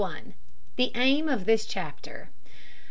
THE AIM OF THIS CHAPTER.